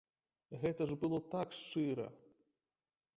Гэта ж было так шчыра!